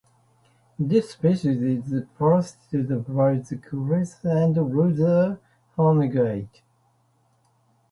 This species is parasitised by the greater and lesser honeyguide.